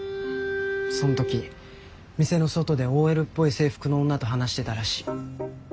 そん時店の外でＯＬっぽい制服の女と話してたらしい。